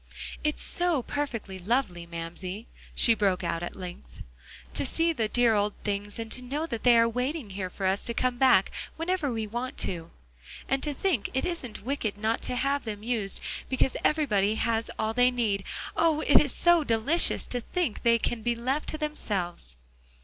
"It's so perfectly lovely, Mamsie," she broke out at length, "to see the dear old things, and to know that they are waiting here for us to come back whenever we want to. And to think it isn't wicked not to have them used, because everybody has all they need; oh! it's so delicious to think they can be left to themselves."